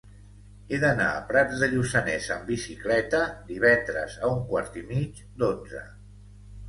He d'anar a Prats de Lluçanès amb bicicleta divendres a un quart i mig d'onze.